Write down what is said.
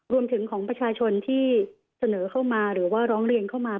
รวมถึงของประชาชนที่เสนอเข้ามาหรือว่าร้องเรียนเข้ามา